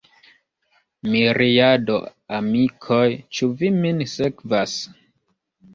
Miriado, amikoj, ĉu vi min sekvas?